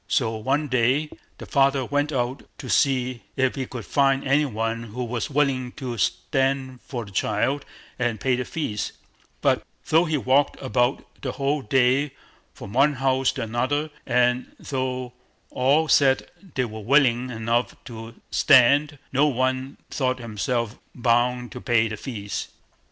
So one day the father went out to see if he could find any one who was willing to stand for the child and pay the fees; but though he walked about the whole day from one house to another, and though all said they were willing enough to stand, no one thought himself bound to pay the fees.